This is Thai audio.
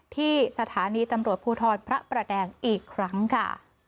ที่สถานีตำรวจภูทรพระประแดงอีกครั้งค่ะ